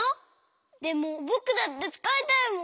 でもぼくだってつかいたいもん。